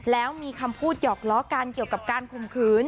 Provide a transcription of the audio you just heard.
แล้วมีคำพูดหยอกล้อกันเกี่ยวกับการข่มขืน